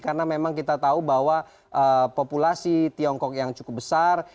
karena memang kita tahu bahwa populasi tiongkok yang cukup besar